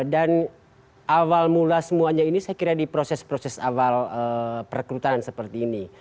dan awal mula semuanya ini saya kira di proses proses awal perekrutan seperti ini